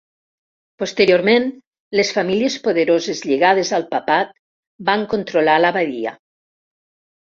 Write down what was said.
Posteriorment, les famílies poderoses lligades al papat van controlar l'abadia.